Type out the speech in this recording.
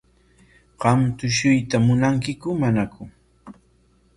¿Qam tushuyta munankiku manaku?